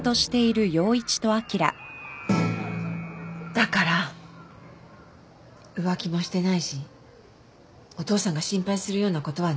だから浮気もしてないしお父さんが心配するようなことは何も。